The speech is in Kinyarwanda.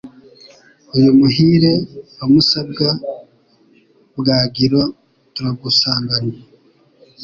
Uyu Muhire wa Musabwa, Bwagiro turagusanganywe